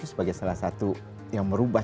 sebagai salah satu yang merubah